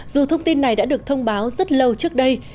dù thông tin này đã được thông báo rất lâu trước đây